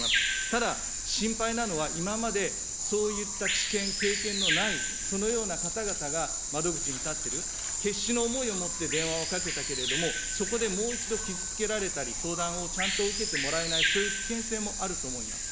ただ、心配なのは、今までそういった知見、経験のないそのような方々が窓口に立ってる、決死の思いを持って電話をかけたけれども、そこでもう一度傷つけられたり、相談ちゃんと受けてもらえない、そういう危険性もあると思います。